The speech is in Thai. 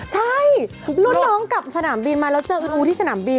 ใช่รุ่นน้องกลับสนามบินมาแล้วเจอคุณอูที่สนามบิน